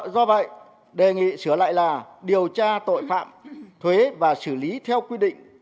do vậy đề nghị sửa lại là điều tra tội phạm thuế và xử lý theo quy định